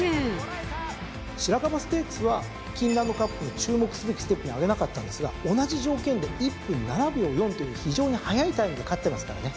しらかばステークスはキーンランドカップの注目すべきステップに挙げなかったんですが同じ条件で１分７秒４という非常に早いタイムで勝ってますからね。